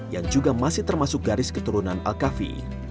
yang juga masih termasuk garis keturunan al kafi